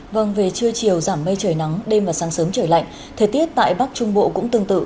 vâng về trưa chiều giảm mây trời nắng đêm và sáng sớm trời lạnh thời tiết tại bắc trung bộ cũng tương tự